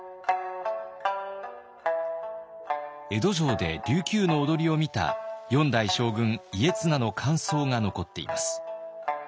江戸城で琉球の踊りを見た４代将軍家綱の感想が残っています。